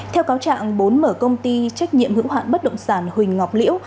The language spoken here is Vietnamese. theo cáo trạng bốn mở công ty trách nhiệm hữu hạn bất động sản huỳnh ngọc liễu